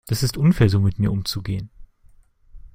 Das ist unfair so mit mir umzugehen.